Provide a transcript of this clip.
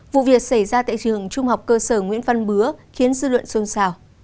vụ việc xảy ra tại trường trung học cơ sở nguyễn văn bứa khiến dư luận xôn xào